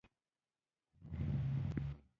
یوریا یو عضوي مرکب دی.